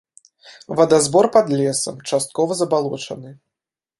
Вадазбор пад лесам, часткова забалочаны.